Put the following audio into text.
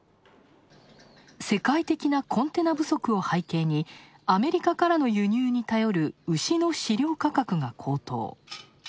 世界的なコンテナ不足を背景に、アメリカからの輸入に頼る牛の飼料価格が高騰。